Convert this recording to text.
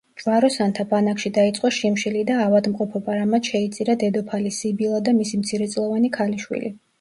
ჯვაროსანთა ბანაკში დაიწყო შიმშილი და ავადმყოფობა, რამაც შეიწირა დედოფალი სიბილა და მისი მცირეწლოვანი ქალიშვილი.